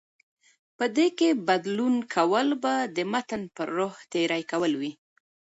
په دې کې بدلون کول به د متن پر روح تېری وي